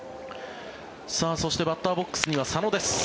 そしてバッターボックスには佐野です。